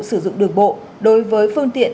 sử dụng đường bộ đối với phương tiện